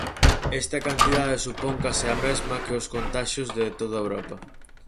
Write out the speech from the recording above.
Esta cantidade supón case a mesma que os contaxios de toda Europa.